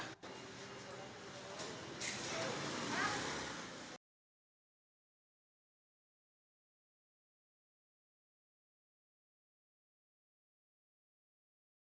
pertamina menyebutkan kenaikan harga pertalite terjadi merata di seluruh wilayah pemasaran di indonesia